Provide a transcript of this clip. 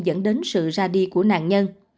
dẫn đến sự ra đi của nạn nhân